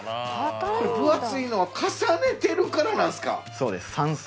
これ分厚いのは重ねてるからなんですか。